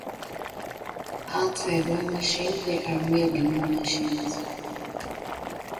Outside one machine there are merely more machines.